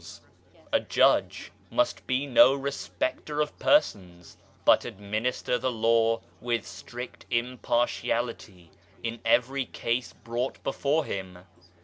A 144 UNIVERSAL PEACE Judge must be no " respecter of persons/ 7 but administer the Law with strict impartiality in every case brought before him.